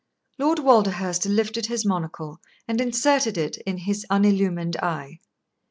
Lord Walderhurst lifted his monocle and inserted it in his unillumined eye.